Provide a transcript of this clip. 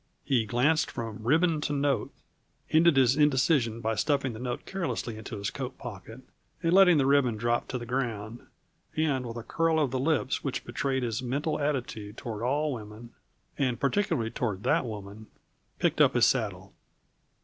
He glanced from ribbon to note, ended his indecision by stuffing the note carelessly into his coat pocket and letting the ribbon drop to the ground, and with a curl of the lips which betrayed his mental attitude toward all women and particularly toward that woman, picked up his saddle.